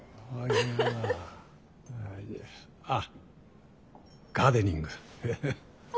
あっガーデニング。